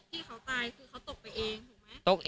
ที่เขาตายคือเขาตกไปเองถูกไหม